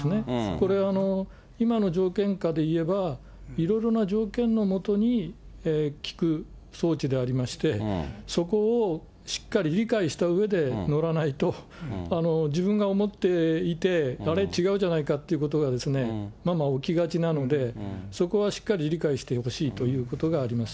これは今の条件下で言えば、いろいろな条件の下に利く装置でありまして、そこをしっかり理解したうえで乗らないと、自分が思っていて、あれ、違うじゃないかっていうことが、まま起きがちなので、そこはしっかり理解してほしいということがあります。